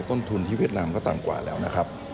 ต้นทุนที่เวียดนามก็ต่ำกว่าแล้วนะครับ